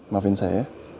mas ini dia